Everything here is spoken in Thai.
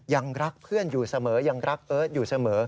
ยังรักเพื่อนอยู่เสมอยังรักเอิร์ทอยู่เสมอ